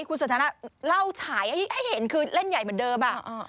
คุณสันทนาเล่าฉายให้เห็นคือเล่นใหญ่เหมือนเดิม